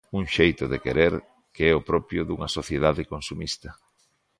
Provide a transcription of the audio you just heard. Un xeito de querer que é o propio dunha sociedade consumista.